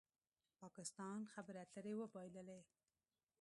پاکستان خبرې اترې وبایللې